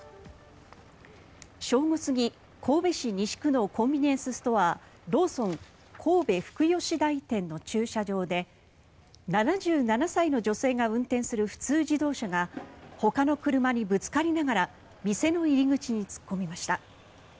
正午過ぎ、神戸市西区のコンビニエンスストアローソン神戸福吉台店の駐車場で７７歳の女性が運転する普通自動車がほかの車にぶつかりながら店の入り口に突っ込みました。